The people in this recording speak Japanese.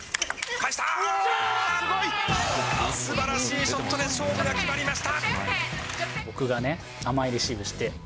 素晴らしいショットで勝負が決まりました。